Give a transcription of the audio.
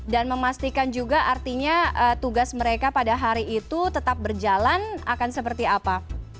dan memastikan juga artinya tugas mereka pada hari itu tetap berjalan akan seperti apa